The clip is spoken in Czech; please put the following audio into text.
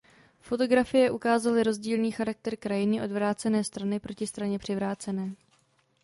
Fotografie ukázaly rozdílný charakter krajiny odvrácené strany proti straně přivrácené.